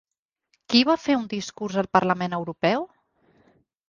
Qui va fer un discurs al Parlament Europeu?